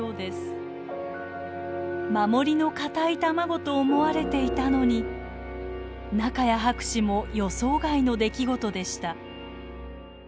守りの堅い卵と思われていたのに仲谷博士も予想外の出来事でした。